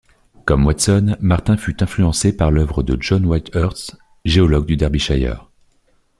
Comme Watson, Martin fut influencé par l'œuvre de John Whitehurst, géologue du Derbyshire.